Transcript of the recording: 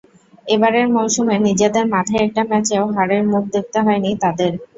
এবারের মৌসুমে নিজেদের মাঠে একটা ম্যাচেও হারের মুখ দেখতে হয়নি তাদের।